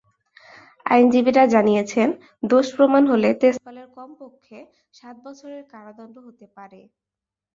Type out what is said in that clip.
আইনজীবীরা জানিয়েছেন, দোষ প্রমাণ হলে তেজপালের কমপক্ষে সাত বছরের কারাদণ্ড হতে পারে।